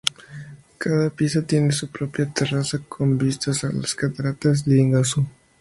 Cada pieza tiene su propia terraza con vista a las Cataratas de Iguazú.